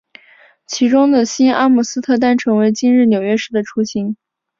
其中的新阿姆斯特丹成为今日纽约市的雏形。